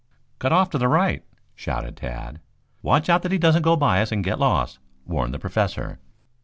"Cut off to the right," shouted Tad. "Watch out that he doesn't go by us and get lost," warned the Professor.